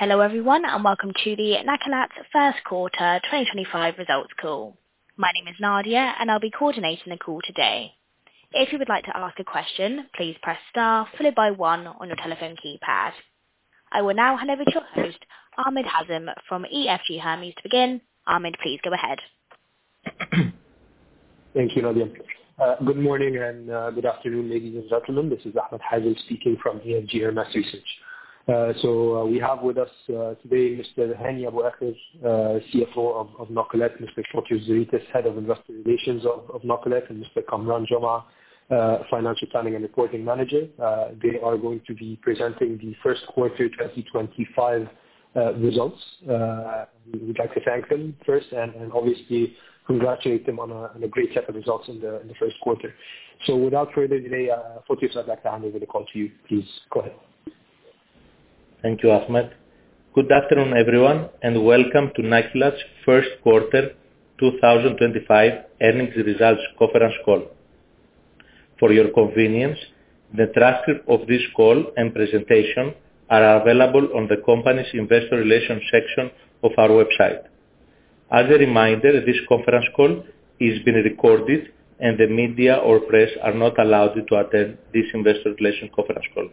Hello, everyone, and welcome to Nakilat's first quarter 2025 results call. My name is Nadia, and I'll be coordinating the call today. If you would like to ask a question, please press star followed by one on your telephone keypad. I will now hand over to our host, Ahmed Hazem from EFG Hermes to begin. Ahmed, please go ahead. Thank you, Nadia. Good morning and good afternoon, ladies and gentlemen. This is Ahmed Hazem speaking from EFG Hermes Research. We have with us today Mr. Hani Abuaker, CFO of Nakilat, Mr. Fotios Zeritis, Head of Investor Relations of Nakilat, and Mr. Kamaran Jomah, Financial Planning and Reporting Manager. They are going to be presenting the first quarter 2025 results. We would like to thank them first and obviously congratulate them on a great set of results in the first quarter. Without further delay, Fotios, I'd like to hand over the call to you, please go ahead. Thank you, Ahmed. Good afternoon, everyone, and welcome to Nakilat's first quarter 2025 earnings results conference call. For your convenience, the transcript of this call and presentation are available on the company's investor relations section of our website. As a reminder, this conference call is being recorded, and the media or press are not allowed to attend this investor relations conference call.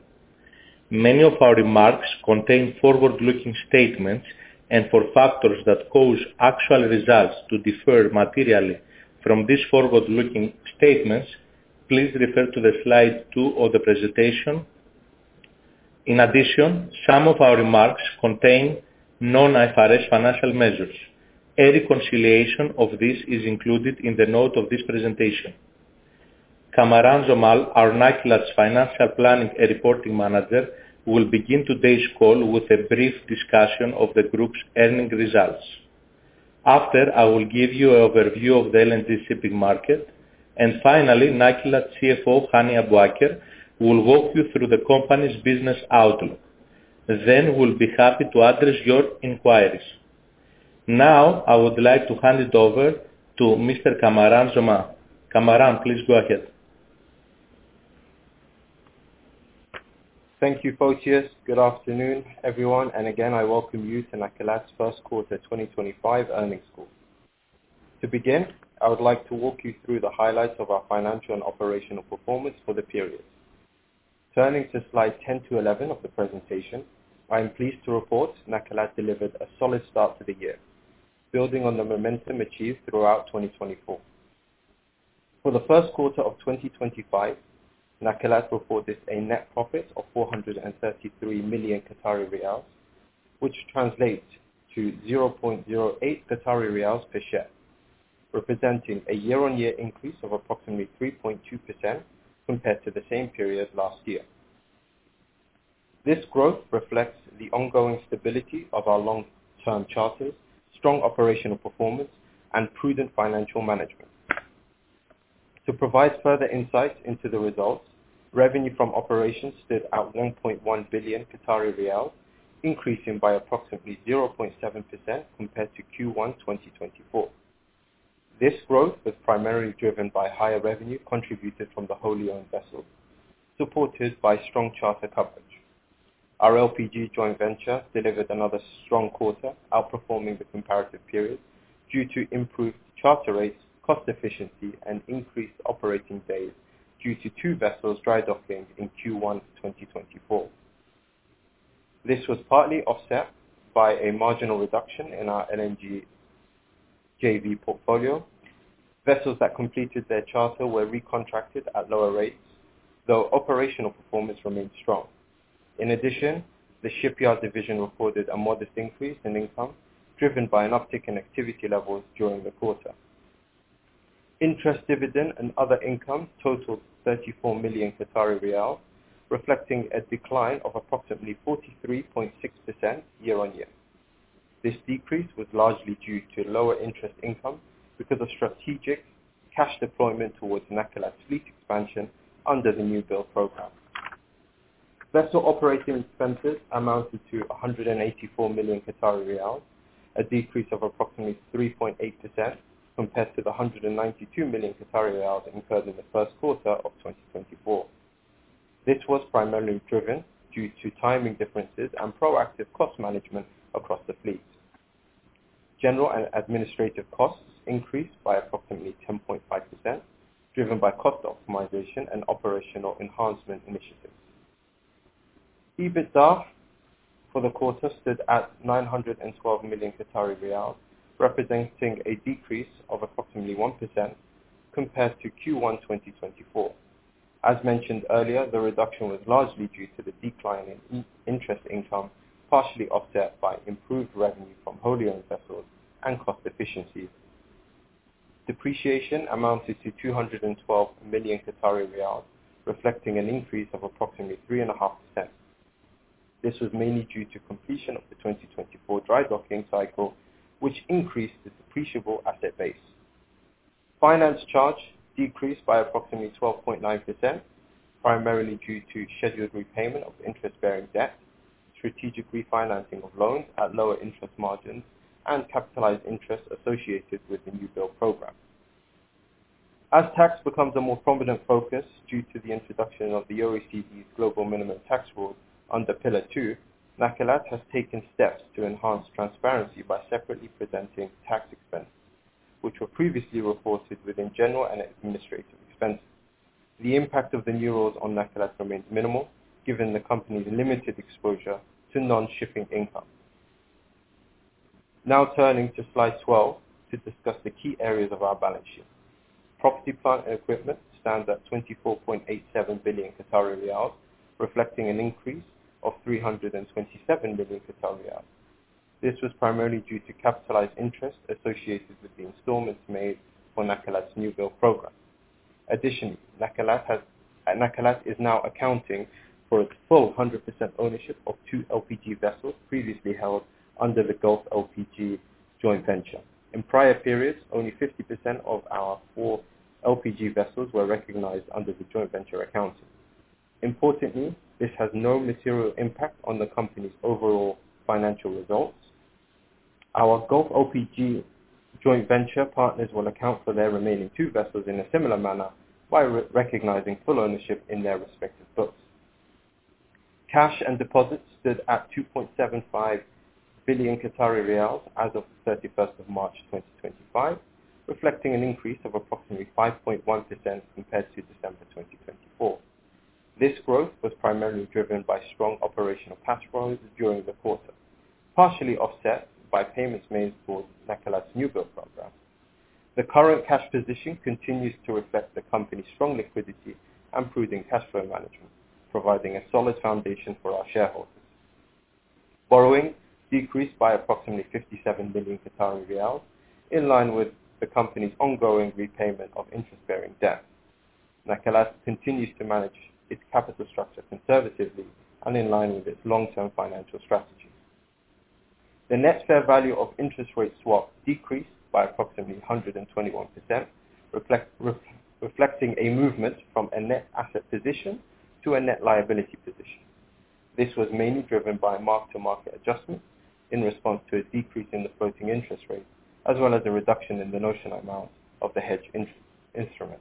Many of our remarks contain forward-looking statements, and for factors that cause actual results to differ materially from these forward-looking statements, please refer to slide two of the presentation. In addition, some of our remarks contain non-IFRS financial measures. A reconciliation of this is included in the note of this presentation. Kamaran Jomah, our Nakilat Financial Planning and Reporting Manager, will begin today's call with a brief discussion of the group's earnings results. After, I will give you an overview of the LNG shipping market. Finally, Nakilat CFO, Hani Abuaker, will walk you through the company's business outlook. We'll be happy to address your inquiries. I would like to hand it over to Mr. Kamaran Jomah. Kamaran, please go ahead. Thank you, Fotios. Good afternoon, everyone. I welcome you to Nakilat's first quarter 2025 earnings call. To begin, I would like to walk you through the highlights of our financial and operational performance for the period. Turning to slides 10 to 11 of the presentation, I am pleased to report Nakilat delivered a solid start to the year, building on the momentum achieved throughout 2024. For the first quarter of 2025, Nakilat reported a net profit of 433 million Qatari riyals, which translates to 0.08 Qatari riyals per share, representing a year-on-year increase of approximately 3.2% compared to the same period last year. This growth reflects the ongoing stability of our long-term charters, strong operational performance, and prudent financial management. To provide further insights into the results, revenue from operations stood at 1.1 billion Qatari riyals, increasing by approximately 0.7% compared to Q1 2024. This growth was primarily driven by higher revenue contributed from the wholly owned vessels, supported by strong charter coverage. Our LPG joint venture delivered another strong quarter, outperforming the comparative period due to improved charter rates, cost efficiency, and increased operating days due to two vessels drydocking in Q1 2024. This was partly offset by a marginal reduction in our LNG JV portfolio. Vessels that completed their charter were recontracted at lower rates, though operational performance remained strong. In addition, the shipyard division reported a modest increase in income driven by an uptick in activity levels during the quarter. Interest dividend and other income totaled 34 million Qatari riyal, reflecting a decline of approximately 43.6% year-on-year. This decrease was largely due to lower interest income because of strategic cash deployment towards Nakilat's fleet expansion under the new build program. Vessel operating expenses amounted to 184 million Qatari riyals, a decrease of approximately 3.8% compared to the 192 million Qatari riyals incurred in the first quarter of 2024. This was primarily driven due to timing differences and proactive cost management across the fleet. General and administrative costs increased by approximately 10.5%, driven by cost optimization and operational enhancement initiatives. EBITDA for the quarter stood at 912 million Qatari riyals, representing a decrease of approximately 1% compared to Q1 2024. As mentioned earlier, the reduction was largely due to the decline in interest income, partially offset by improved revenue from wholly owned vessels and cost efficiencies. Depreciation amounted to 212 million Qatari riyals, reflecting an increase of approximately 3.5%. This was mainly due to completion of the 2024 drydocking cycle, which increased the depreciable asset base. Finance charge decreased by approximately 12.9%, primarily due to scheduled repayment of interest-bearing debt, strategic refinancing of loans at lower interest margins, and capitalized interest associated with the new build program. As tax becomes a more prominent focus due to the introduction of the OECD's global minimum tax rule under Pillar Two, Nakilat has taken steps to enhance transparency by separately presenting tax expenses, which were previously reported within general and administrative expenses. The impact of the new rules on Nakilat remains minimal, given the company's limited exposure to non-shipping income. Now turning to slide 12 to discuss the key areas of our balance sheet. Property, plant, and equipment stand at 24.87 billion Qatari riyals, reflecting an increase of 327 million Qatari riyals. This was primarily due to capitalized interest associated with the installments made for Nakilat's new-build program. Additionally, Nakilat is now accounting for its full 100% ownership of two LPG vessels previously held under the Gulf LPG joint venture. In prior periods, only 50% of our four LPG vessels were recognized under the joint venture accounting. Importantly, this has no material impact on the company's overall financial results. Our Gulf LPG joint venture partners will account for their remaining two vessels in a similar manner by recognizing full ownership in their respective books. Cash and deposits stood at 2.75 billion Qatari riyals as of the 31st of March 2025, reflecting an increase of approximately 5.1% compared to December 2024. This growth was primarily driven by strong operational cash flows during the quarter, partially offset by payments made for Nakilat's new-build program. The current cash position continues to reflect the company's strong liquidity and improving cash flow management, providing a solid foundation for our shareholders. Borrowing decreased by approximately 57 million Qatari riyals, in line with the company's ongoing repayment of interest-bearing debt. Nakilat continues to manage its capital structure conservatively and in line with its long-term financial strategy. The net fair value of interest rate swap decreased by approximately 121%, reflecting a movement from a net asset position to a net liability position. This was mainly driven by mark-to-market adjustments in response to a decrease in the floating interest rate, as well as a reduction in the notional amount of the hedge instrument.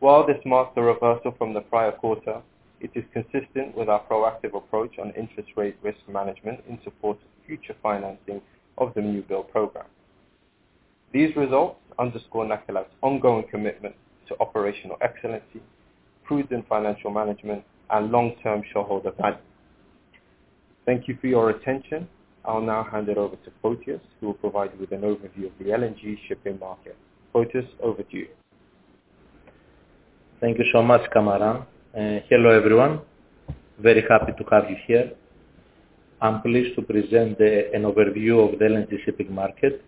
While this marks the reversal from the prior quarter, it is consistent with our proactive approach on interest rate risk management in support of future financing of the new-build program. These results underscore Nakilat's ongoing commitment to operational excellency, prudent financial management, and long-term shareholder value. Thank you for your attention. I'll now hand it over to Fotis, who will provide you with an overview of the LNG shipping market. Fotis, over to you. Thank you so much, Kamaran. Hello, everyone. Very happy to have you here. I'm pleased to present an overview of the LNG shipping market.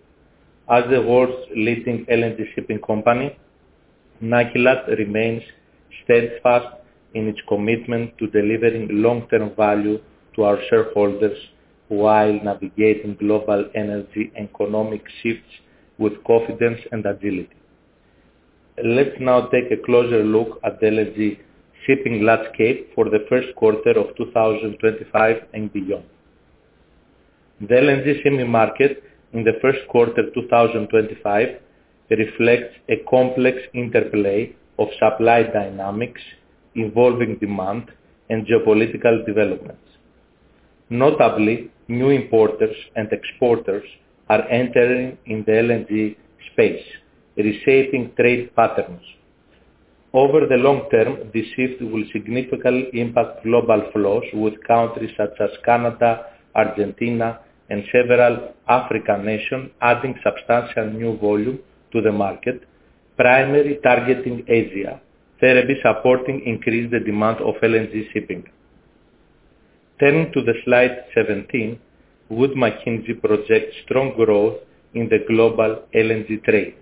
As the world's leading LNG shipping company, Nakilat remains steadfast in its commitment to delivering long-term value to our shareholders while navigating global energy economic shifts with confidence and agility. Let's now take a closer look at the LNG shipping landscape for the first quarter of 2025 and beyond. The LNG shipping market in the first quarter 2025 reflects a complex interplay of supply dynamics, evolving demand, and geopolitical developments. Notably, new importers and exporters are entering in the LNG space, reshaping trade patterns. Over the long term, this shift will significantly impact global flows with countries such as Canada, Argentina, and several African nations adding substantial new volume to the market, primarily targeting Asia, thereby supporting increased demand of LNG shipping. Turning to slide 17, Wood Mackenzie projects strong growth in the global LNG trade,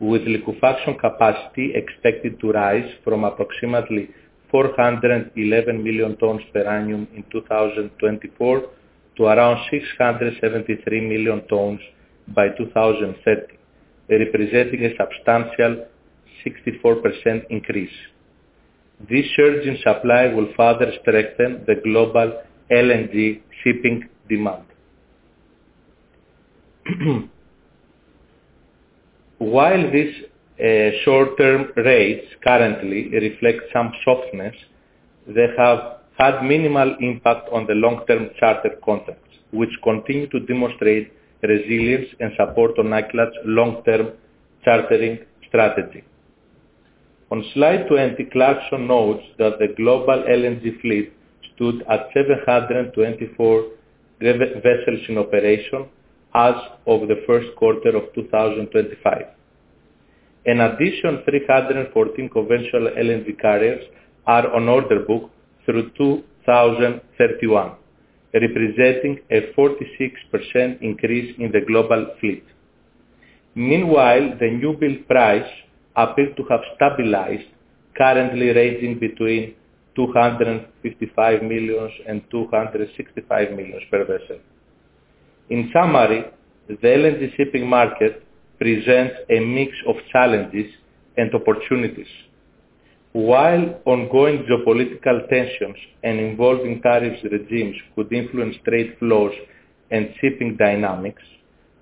with liquefaction capacity expected to rise from approximately 411 million tons per annum in 2024 to around 673 million tons by 2030, representing a substantial 64% increase. This surge in supply will further strengthen the global LNG shipping demand. While short-term rates currently reflect some softness, they have had minimal impact on the long-term charter contracts, which continue to demonstrate resilience and support on Nakilat's long-term chartering strategy. On slide 20, Clarksons notes that the global LNG fleet stood at 724 vessels in operation as of the first quarter of 2025. An additional 314 conventional LNG carriers are on order book through 2031, representing a 46% increase in the global fleet. Meanwhile, the new-build price appears to have stabilized, currently ranging between 255 million and 265 million per vessel. In summary, the LNG shipping market presents a mix of challenges and opportunities. While ongoing geopolitical tensions and evolving tariff regimes could influence trade flows and shipping dynamics,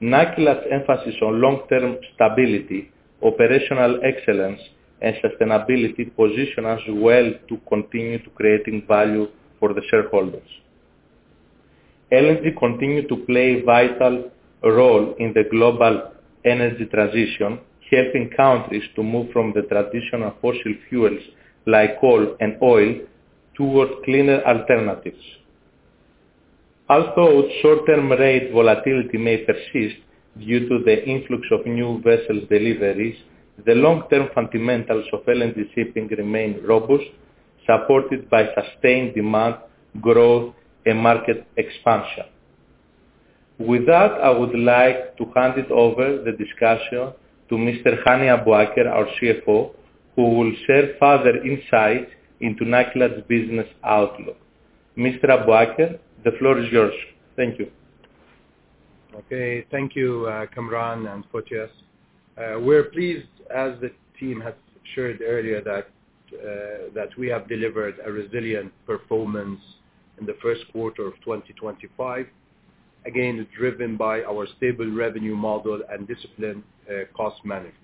Nakilat's emphasis on long-term stability, operational excellence, and sustainability position us well to continue to creating value for the shareholders. LNG continue to play a vital role in the global energy transition, helping countries to move from the traditional fossil fuels like coal and oil towards cleaner alternatives. Although short-term rate volatility may persist due to the influx of new vessel deliveries, the long-term fundamentals of LNG shipping remain robust, supported by sustained demand growth and market expansion. With that, I would like to hand it over the discussion to Mr. Hani Abuaker, our CFO, who will share further insight into Nakilat business outlook. Mr. Abuaker, the floor is yours. Thank you. Okay. Thank you, Kamaran and Fotios. We're pleased, as the team has shared earlier, that we have delivered a resilient performance in the first quarter of 2025. Again, driven by our stable revenue model and disciplined cost management.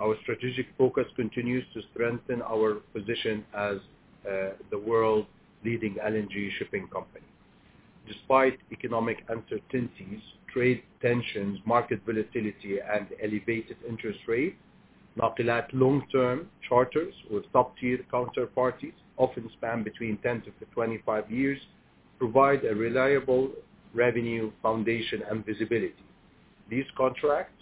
Our strategic focus continues to strengthen our position as the world's leading LNG shipping company. Despite economic uncertainties, trade tensions, market volatility, and elevated interest rates, Nakilat long-term charters with top-tier counterparties often span between 10 to 25 years, provide a reliable revenue foundation and visibility. These contracts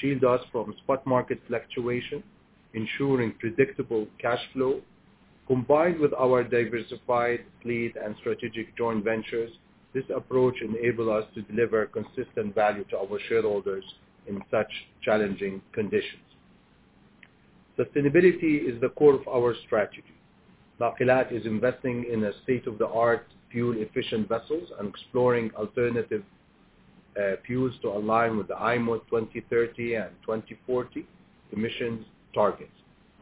shield us from spot market fluctuation, ensuring predictable cash flow. Combined with our diversified fleet and strategic joint ventures, this approach enable us to deliver consistent value to our shareholders in such challenging conditions. Sustainability is the core of our strategy. Nakilat is investing in a state-of-the-art fuel-efficient vessels and exploring alternative fuels to align with the IMO 2030 and 2040 emissions targets.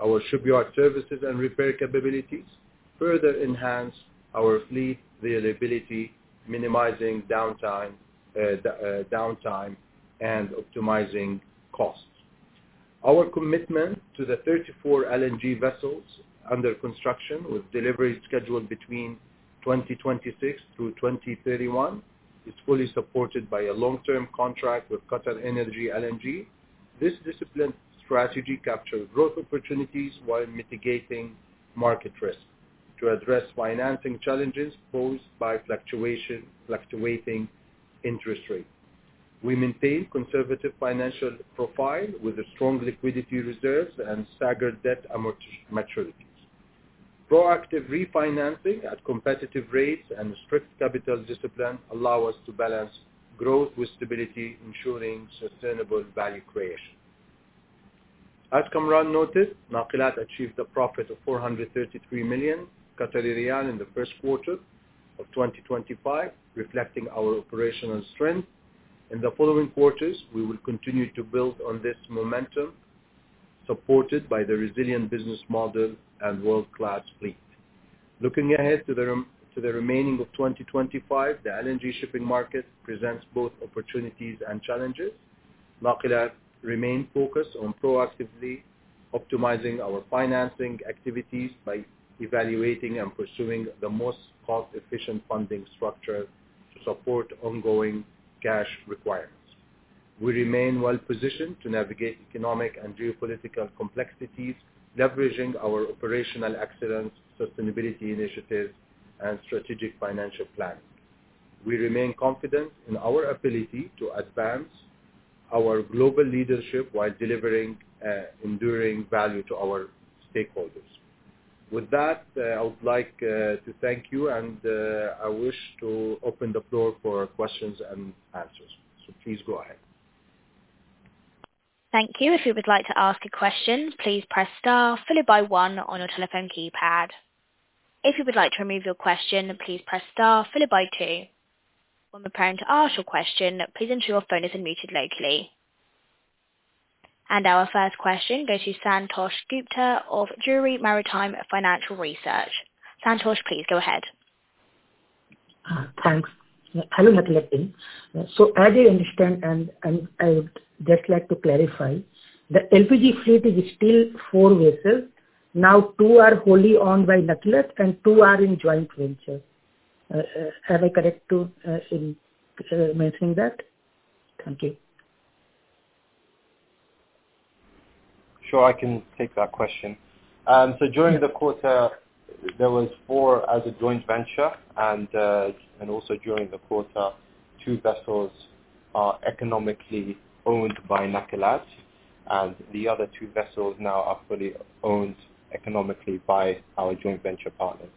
Our shipyard services and repair capabilities further enhance our fleet reliability, minimizing downtime and optimizing costs. Our commitment to the 34 LNG vessels under construction with delivery scheduled between 2026 through 2031 is fully supported by a long-term contract with QatarEnergy LNG. This disciplined strategy captures growth opportunities while mitigating market risk. To address financing challenges posed by fluctuating interest rates, we maintain conservative financial profile with a strong liquidity reserve and staggered debt maturities. Proactive refinancing at competitive rates and strict capital discipline allow us to balance growth with stability, ensuring sustainable value creation. As Kamaran noted, Nakilat achieved a profit of 433 million Qatari riyal in the first quarter of 2025, reflecting our operational strength. In the following quarters, we will continue to build on this momentum, supported by the resilient business model and world-class fleet. Looking ahead to the remaining of 2025, the LNG shipping market presents both opportunities and challenges. Nakilat remain focused on proactively optimizing our financing activities by evaluating and pursuing the most cost-efficient funding structure to support ongoing cash requirements. We remain well-positioned to navigate economic and geopolitical complexities, leveraging our operational excellence, sustainability initiatives, and strategic financial planning. We remain confident in our ability to advance our global leadership while delivering enduring value to our stakeholders. With that, I would like to thank you and I wish to open the floor for questions and answers. Please go ahead. Thank you. If you would like to ask a question, please press star followed by one on your telephone keypad. If you would like to remove your question, please press star followed by two. When preparing to ask your question, please ensure your phone is unmuted locally. Our first question goes to Santosh Gupta of Drewry Maritime Financial Research. Santosh, please go ahead. Thanks. Hello, Nakilat team. As I understand, and I would just like to clarify, the LPG fleet is still four vessels. Now, two are wholly owned by Nakilat and two are in joint venture. Am I correct in mentioning that? Thank you. Sure, I can take that question. During the quarter, there was four as a joint venture and also during the quarter, two vessels are economically owned by Nakilat and the other two vessels now are fully owned economically by our joint venture partners.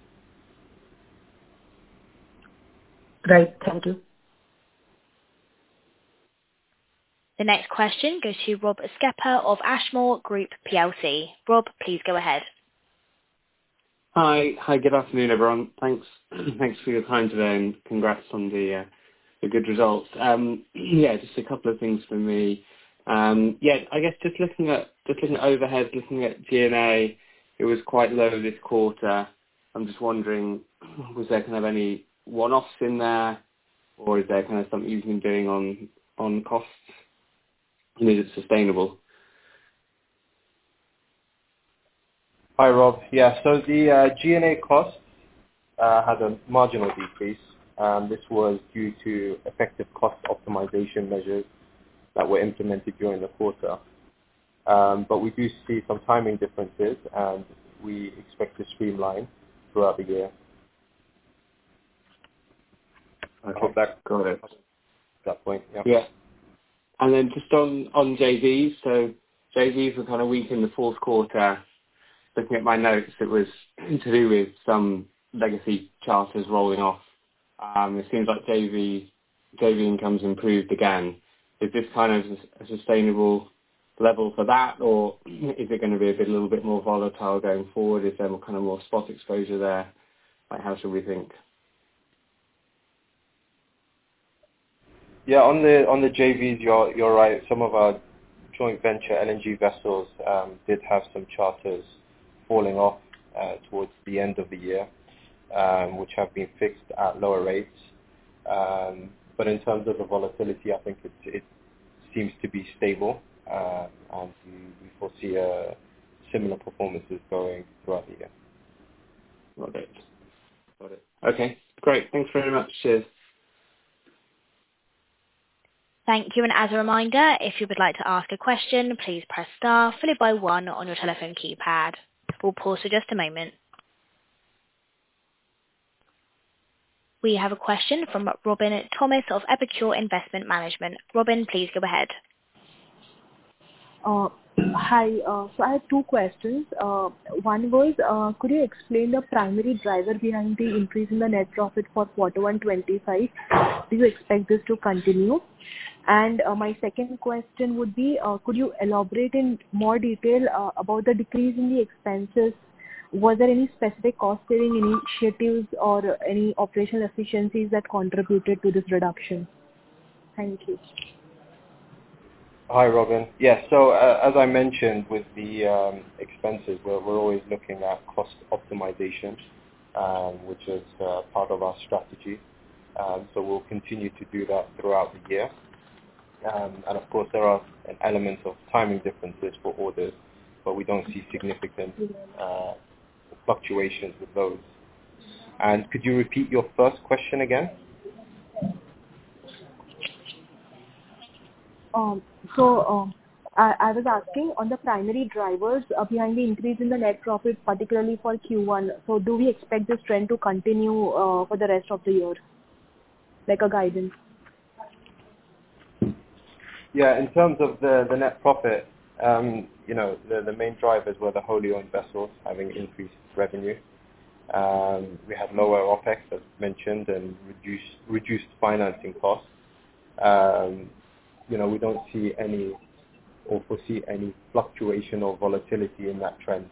Great. Thank you. The next question goes to Rob Skepper of Ashmore Group plc. Rob, please go ahead. Hi. Good afternoon, everyone. Thanks for your time today, and congrats on the good results. Just a couple of things from me. I guess just looking at overhead, looking at G&A, it was quite low this quarter. I'm just wondering, was there any one-offs in there, or is there some easing going on costs, and is it sustainable? Hi, Rob. The G&A costs had a marginal decrease. This was due to effective cost optimization measures that were implemented during the quarter. We do see some timing differences, and we expect to streamline throughout the year. I hope that covers that point. Yeah. Yeah. Just on JVs. JVs were kind of weak in the fourth quarter. Looking at my notes, it was to do with some legacy charters rolling off. It seems like JV income's improved again. Is this a sustainable level for that, or is it going to be a little bit more volatile going forward if there were more spot exposure there? Like, how should we think? Yeah. On the JVs, you're right. Some of our joint venture LNG vessels did have some charters falling off towards the end of the year, which have been fixed at lower rates. In terms of the volatility, I think it seems to be stable. We foresee similar performances going throughout the year. Got it. Okay. Great. Thanks very much, Shiv. Thank you. As a reminder, if you would like to ask a question, please press star followed by one on your telephone keypad. We will pause for just a moment. We have a question from Robin Thomas of Epicure Investment Management. Robin, please go ahead. Hi. I have two questions. One was, could you explain the primary driver behind the increase in the net profit for Q1 2025? Do you expect this to continue? My second question would be, could you elaborate in more detail about the decrease in the expenses? Was there any specific cost-saving initiatives or any operational efficiencies that contributed to this reduction? Thank you. Hi, Robin. As I mentioned with the expenses, we are always looking at cost optimization, which is part of our strategy. We will continue to do that throughout the year. Of course, there are elements of timing differences for orders, but we do not see significant fluctuations with those. Could you repeat your first question again? I was asking on the primary drivers behind the increase in the net profit, particularly for Q1. Do we expect this trend to continue for the rest of the year? Yeah. In terms of the net profit, the main drivers were the wholly owned vessels having increased revenue. We had lower OpEx, as mentioned, and reduced financing costs. We don't see any, or foresee any fluctuation or volatility in that trend.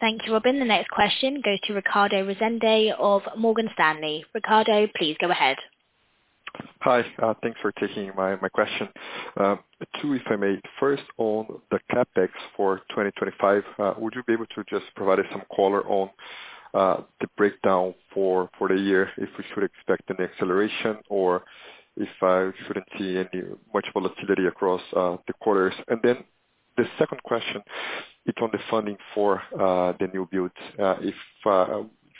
Thank you, Robin. The next question goes to Ricardo Rezende of Morgan Stanley. Ricardo, please go ahead. Hi. Thanks for taking my question. Two, if I may. First, on the CapEx for 2025, would you be able to just provide some color on the breakdown for the year, if we should expect any acceleration or if I shouldn't see much volatility across the quarters? Then the second question is on the funding for the new build. If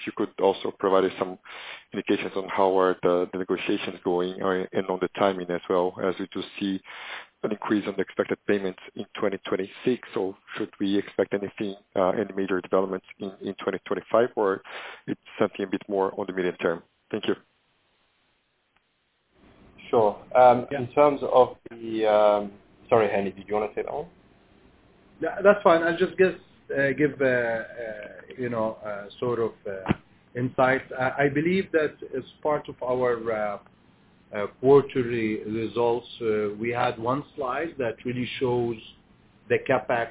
you could also provide some indications on how are the negotiations going and on the timing as well as we just see an increase on the expected payments in 2026, or should we expect anything, any major developments in 2025, or it's something a bit more on the medium term? Thank you. Sorry, Hani, did you want to say it all? Yeah, that's fine. I'll just give sort of insights. I believe that as part of our quarterly results, we had one slide that really shows the CapEx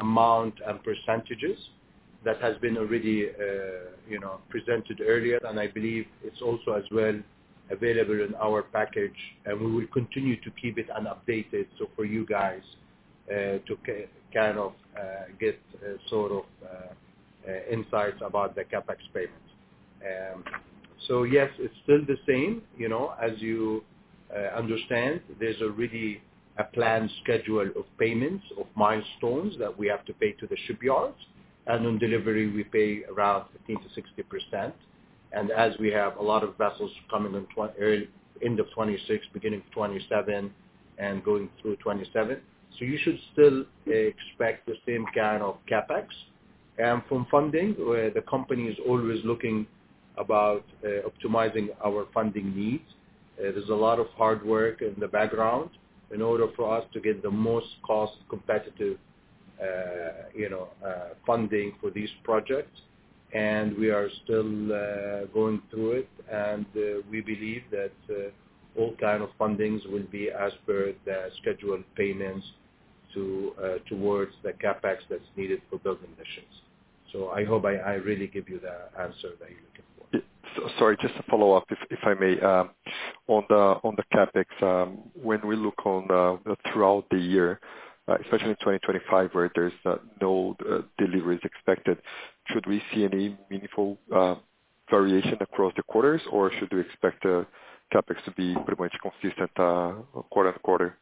amount and percentages that has been already presented earlier, and I believe it's also as well available in our package, and we will continue to keep it and update it, so for you guys to kind of get sort of insights about the CapEx payments. Yes, it's still the same. As you understand, there's already a planned schedule of payments of milestones that we have to pay to the shipyards. On delivery, we pay around 15%-60%. As we have a lot of vessels coming in end of 2026, beginning of 2027, and going through 2027. You should still expect the same kind of CapEx. From funding, the company is always looking about optimizing our funding needs. There's a lot of hard work in the background in order for us to get the most cost-competitive funding for these projects. We are still going through it. We believe that all kind of fundings will be as per the scheduled payments towards the CapEx that's needed for building vessels. I hope I really give you the answer that you're looking for. Sorry, just to follow up, if I may. On the CapEx, when we look throughout the year, especially in 2025 where there's no deliveries expected, should we see any meaningful variation across the quarters or should we expect CapEx to be pretty much consistent quarter on quarter?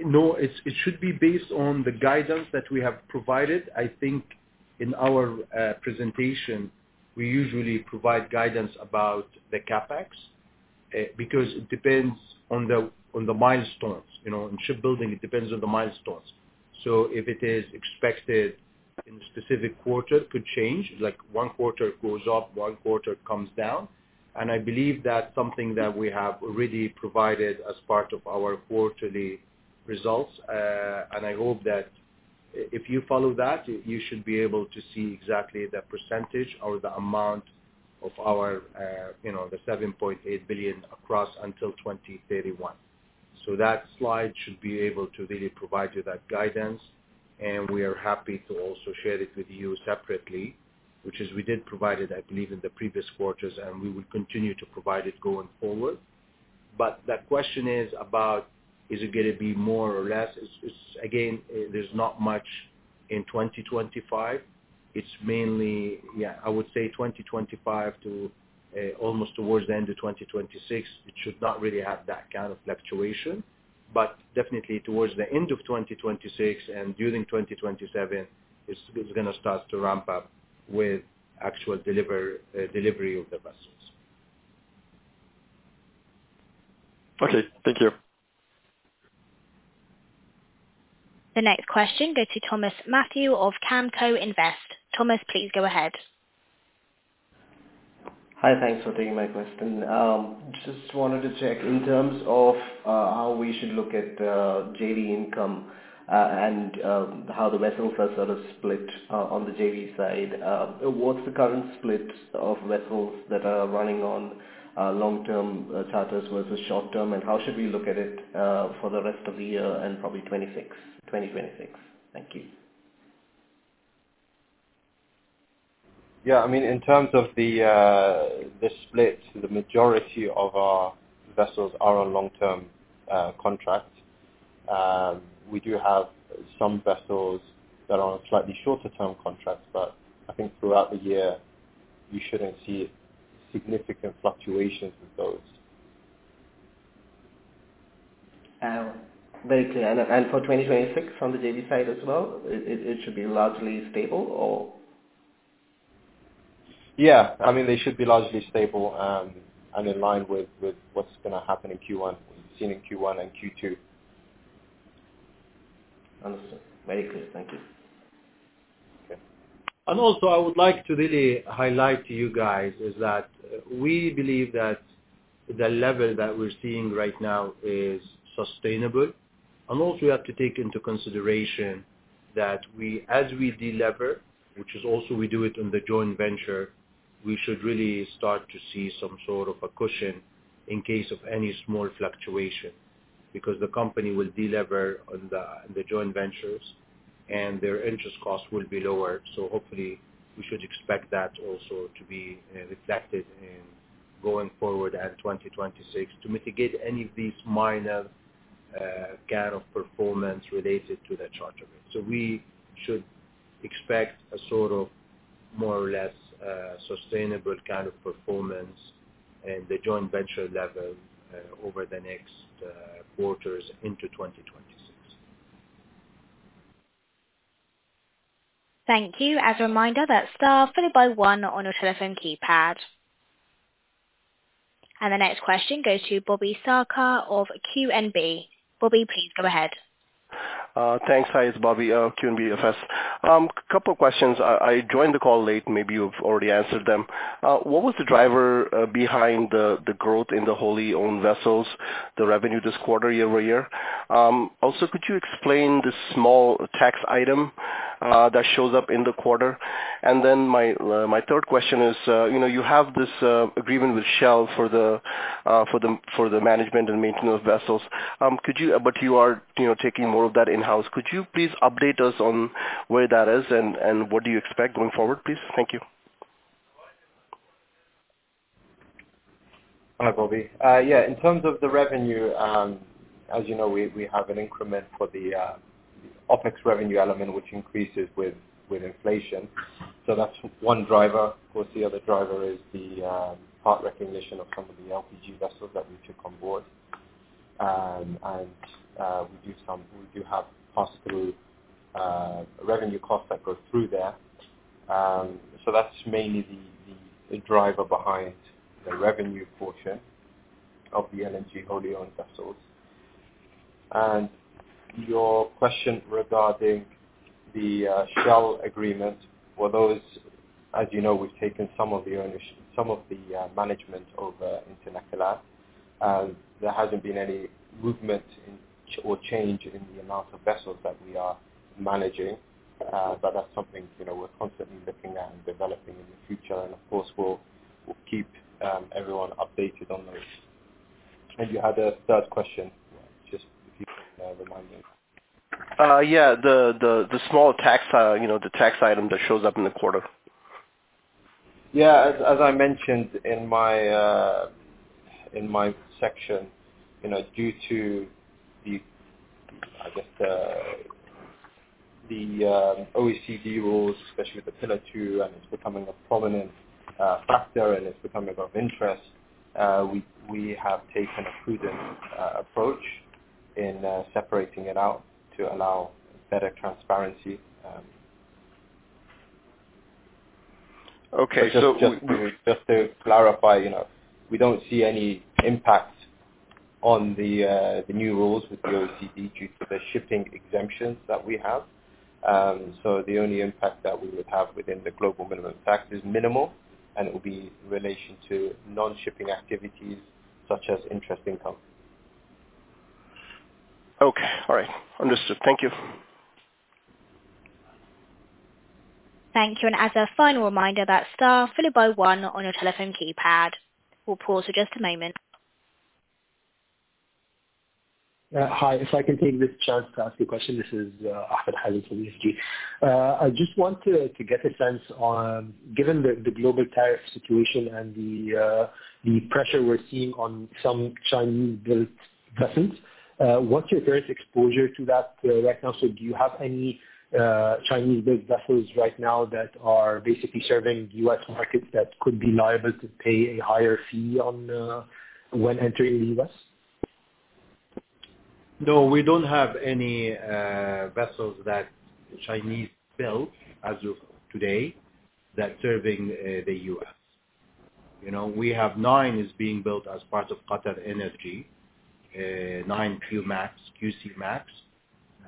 No. It should be based on the guidance that we have provided. I think in our presentation, we usually provide guidance about the CapEx, because it depends on the milestones. In shipbuilding, it depends on the milestones. If it is expected in a specific quarter, it could change. Like one quarter it goes up, one quarter it comes down. I believe that's something that we have already provided as part of our quarterly results. I hope that if you follow that, you should be able to see exactly the percentage or the amount of the $7.8 billion across until 2031. That slide should be able to really provide you that guidance, and we are happy to also share it with you separately, which is, we did provide it, I believe, in the previous quarters, and we will continue to provide it going forward. The question is about, is it going to be more or less? Again, there's not much in 2025. It's mainly, I would say 2025 to almost towards the end of 2026, it should not really have that kind of fluctuation. Definitely towards the end of 2026 and during 2027, it's going to start to ramp up with actual delivery of the vessels. Okay. Thank you. The next question goes to Thomas Mathew of Kamco Invest. Thomas, please go ahead. Hi, thanks for taking my question. Just wanted to check in terms of how we should look at JV income and how the vessels are sort of split on the JV side. What's the current split of vessels that are running on long-term charters versus short-term, and how should we look at it for the rest of the year and probably 2026? Thank you. In terms of the split, the majority of our vessels are on long-term contracts. We do have some vessels that are on slightly shorter term contracts, but I think throughout the year, you shouldn't see significant fluctuations with those. Very clear. For 2026, from the JV side as well, it should be largely stable, or? They should be largely stable and in line with what's going to happen in Q1, seen in Q1 and Q2. Understood. Very clear. Thank you. Okay. I would like to really highlight to you guys is that we believe that the level that we are seeing right now is sustainable. You have to take into consideration that as we de-lever, which is also we do it on the joint venture, we should really start to see some sort of a cushion in case of any small fluctuation. The company will de-lever on the joint ventures and their interest costs will be lower. Hopefully, we should expect that also to be reflected in going forward at 2026 to mitigate any of these minor kind of performance related to the charter rate. We should expect a sort of more or less sustainable kind of performance in the joint venture level over the next quarters into 2026. Thank you. As a reminder, that is star followed by one on your telephone keypad. The next question goes to Bobby Sarkar of QNB. Bobby, please go ahead. Thanks. Hi, it is Bobby, QNB FS. Couple of questions. I joined the call late, maybe you've already answered them. What was the driver behind the growth in the wholly-owned vessels, the revenue this quarter year-over-year? Could you explain the small tax item that shows up in the quarter? My third question is, you have this agreement with Shell for the management and maintenance vessels. You are taking more of that in-house. Could you please update us on where that is and what do you expect going forward, please? Thank you. Hi, Bobby. In terms of the revenue, as you know, we have an increment for the OpEx revenue element, which increases with inflation. That is one driver. Of course, the other driver is the part recognition of some of the LPG vessels that we took on board. We do have pass-through revenue cost that goes through there. That is mainly the driver behind the revenue portion of the LNG wholly-owned vessels. And your question regarding The Shell agreement for those, as you know, we've taken some of the management over into Nakilat. There hasn't been any movement or change in the amount of vessels that we are managing. That's something we're constantly looking at and developing in the future. Of course, we'll keep everyone updated on those. You had a third question. Just if you can remind me. Yeah. The small tax item that shows up in the quarter. Yeah. As I mentioned in my section, due to the OECD rules, especially Pillar Two, it's becoming a prominent factor and it's becoming of interest, we have taken a prudent approach in separating it out to allow better transparency. Okay. Just to clarify, we don't see any impact on the new rules with the OECD due to the shipping exemptions that we have. The only impact that we would have within the global minimum tax is minimal, and it will be in relation to non-shipping activities such as interest income. Okay. All right. Understood. Thank you. Thank you. As a final reminder about star, follow by one on your telephone keypad. We'll pause for just a moment. Hi. If I can take this chance to ask you a question. This is Ahmed Hazem from EFG. I just want to get a sense on, given the global tariff situation and the pressure we're seeing on some Chinese-built vessels, what's your current exposure to that right now? Do you have any Chinese-built vessels right now that are basically serving U.S. markets that could be liable to pay a higher fee when entering the U.S.? No, we don't have any vessels that Chinese-built as of today that serving the U.S. We have nine is being built as part of QatarEnergy, nine Q-Max, QC-Max.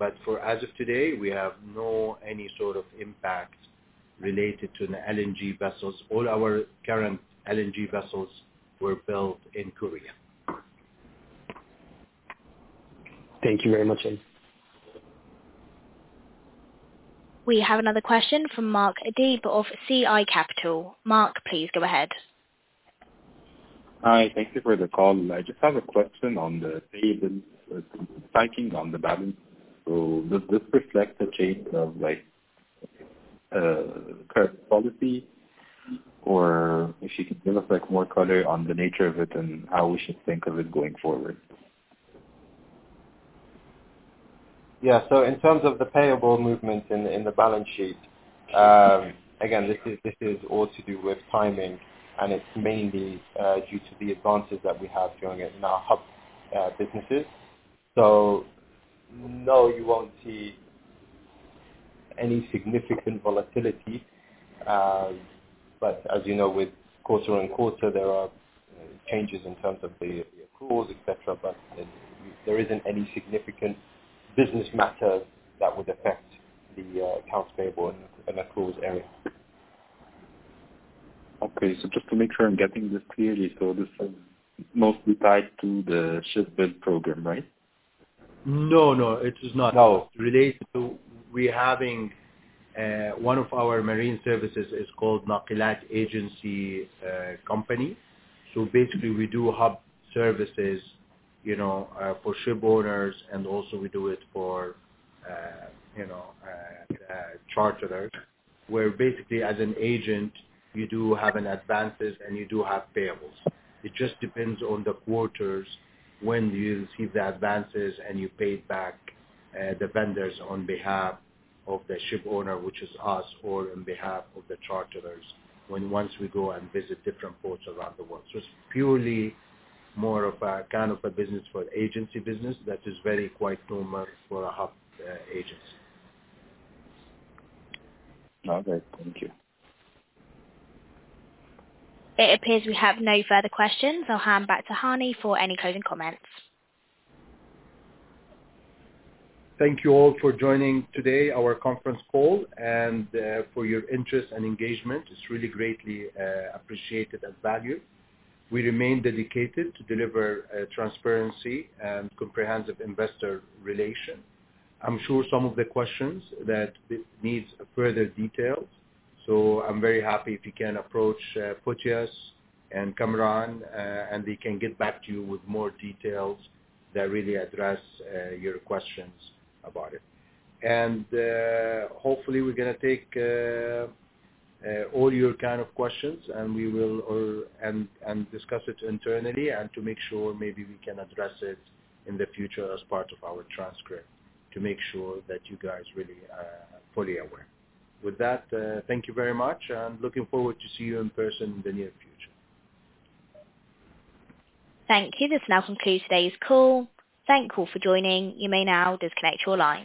As of today, we have no any sort of impact related to the LNG vessels. All our current LNG vessels were built in Korea. Thank you very much. We have another question from Marc Adib of CI Capital. Marc, please go ahead. Hi. Thank you for the call. I just have a question on the payable, the timing on the balance. Does this reflect a change of current policy, or if you can give us more color on the nature of it and how we should think of it going forward? Yeah. In terms of the payable movement in the balance sheet, again, this is all to do with timing, it's mainly due to the advances that we have during our hub businesses. No, you won't see any significant volatility. As you know, with quarter and quarter, there are changes in terms of the accruals, et cetera. There isn't any significant business matter that would affect the accounts payable and accruals area. Okay. Just to make sure I'm getting this clearly. This is mostly tied to the ship build program, right? No, it is not. No. It's related to we having one of our marine services is called Nakilat Agency Company. Basically, we do hub services for ship owners, also we do it for charterers, where basically as an agent, you do have advances and you do have payables. It just depends on the quarters when you receive the advances and you pay back the vendors on behalf of the ship owner, which is us, or on behalf of the charterers when once we go and visit different ports around the world. It's purely more of a kind of a business for agency business that is very quite normal for a hub agent. Okay. Thank you. It appears we have no further questions. I'll hand back to Hani for any closing comments. Thank you all for joining today our conference call and for your interest and engagement. It's really greatly appreciated and valued. We remain dedicated to deliver transparency and comprehensive investor relations. I'm sure some of the questions that need further details. I'm very happy if you can approach Putias and Kamaran, and they can get back to you with more details that really address your questions about it. Hopefully, we're going to take all your kind of questions and discuss it internally and to make sure maybe we can address it in the future as part of our transcript, to make sure that you guys really are fully aware. With that, thank you very much. I'm looking forward to see you in person in the near future. Thank you. This now concludes today's call. Thank you all for joining. You may now disconnect your line.